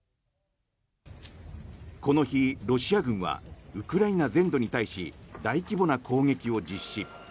この日、ロシア軍はウクライナ全土に対し大規模な攻撃を実施。